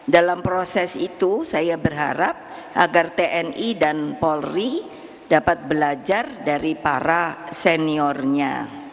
dalam proses itu saya berharap agar tni dan polri dapat belajar dari para seniornya